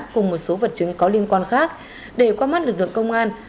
cùng một số vật chứng có liên quan khác để qua mắt lực lượng công an